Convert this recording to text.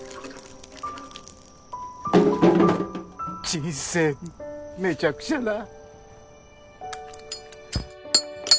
人生めちゃくちゃだ